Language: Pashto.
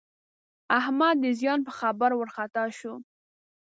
احمد د زیان په خبر وارخطا شو.